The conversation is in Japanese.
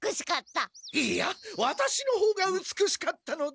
いいやワタシのほうがうつくしかったのだ！